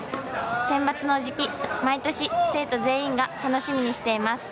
センバツの時期、毎年生徒全員が楽しみにしています。